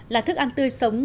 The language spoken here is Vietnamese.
là thức ăn tươi sống